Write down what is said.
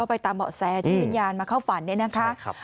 ก็ไปตามเหล่าแซรที่พิญญาณมาเข้าฝันเนี่ยนะคะ